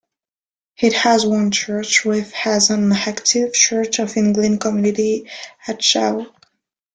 It has one church which has an active Church of England community at Shaw.